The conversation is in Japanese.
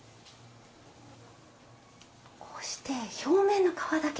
こうして表面の皮だけ。